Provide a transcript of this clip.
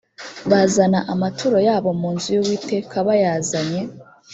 bazana amaturo yabo mu nzu y uwiteka bayazanye